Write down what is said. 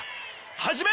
始め！